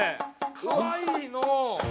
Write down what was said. かわいいのう。